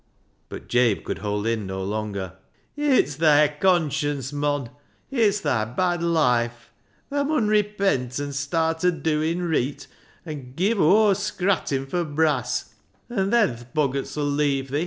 But Jabe could hold in no longer. " It's thi conscience, mon ; it's thi bad loife. Thaa mun repent, an' start o' doin' reet and give o'er scrattin' for brass, an' then th' boggarts 'ull leeav' thi.